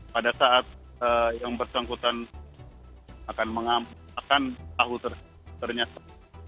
pada saat yang bersangkutan akan mengamalkan tahu ternyata